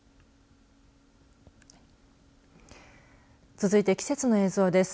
続いて季節の映像です。